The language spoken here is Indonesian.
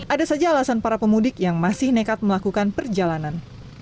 ada saja alasan para pemudik yang masih nekat melakukan perjalanan